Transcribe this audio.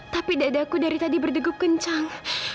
tapi dadaku dari tadi berdegup kencang